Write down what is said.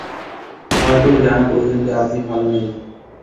হয়তো ওর জানা প্রয়োজন যে, আপনি ভালো নেই।